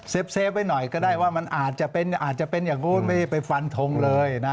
เฟฟไว้หน่อยก็ได้ว่ามันอาจจะเป็นอาจจะเป็นอย่างนู้นไม่ได้ไปฟันทงเลยนะ